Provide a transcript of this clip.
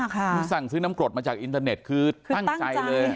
คือสั่งซื้อน้ำกรดมาจากอินเทอร์เน็ตคือตั้งใจเลย